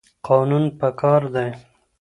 قانون پکار دی.